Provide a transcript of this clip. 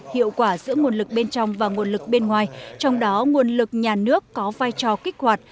hiệu quả giữa nguồn lực bên trong và nguồn lực bên ngoài trong đó nguồn lực nhà nước có vai trò kích hoạt